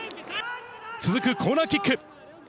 続くコーナーキック。